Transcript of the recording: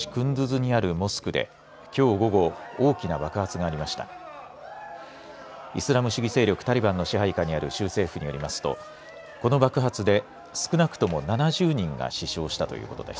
イスラム主義勢力タリバンの支配下にある州政府によりますとこの爆発で少なくとも７０人が死傷したということです。